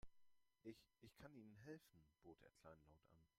Ich, ich kann Ihnen helfen, bot er kleinlaut an.